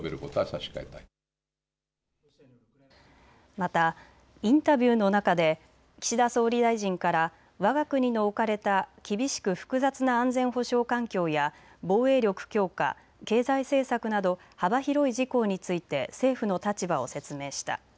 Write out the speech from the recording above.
またインタビューの中で岸田総理大臣から、わが国の置かれた厳しく複雑な安全保障環境や防衛力強化、経済政策など幅広い事項について政府の立場を説明した。